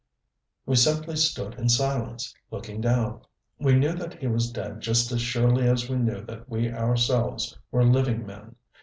We simply stood in silence, looking down. We knew that he was dead just as surely as we knew that we ourselves were living men.